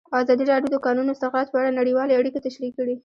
ازادي راډیو د د کانونو استخراج په اړه نړیوالې اړیکې تشریح کړي.